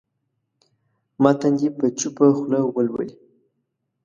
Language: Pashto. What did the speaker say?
متن دې په چوپه خوله ولولي.